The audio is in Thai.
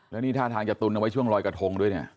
แล้วนี่ท่าทางจะตุนเอาไว้ช่วงลอยกระทงด้วยเนี่ย